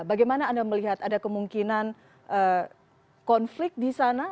bagaimana anda melihat ada kemungkinan konflik di sana